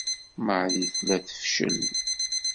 Marie tella tefcel.